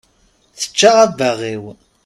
Tečča abbaɣ-iw